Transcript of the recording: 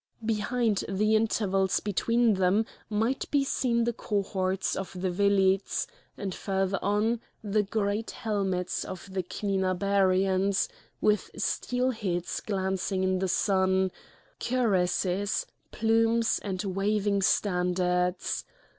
Behind the intervals between them might be seen the cohorts of the velites, and further on the great helmets of the Clinabarians, with steel heads glancing in the sun, cuirasses, plumes, and waving standards.